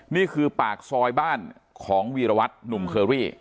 นี่คือปากซอยบ้านของวีรวัตรหนุ่มเคอรี่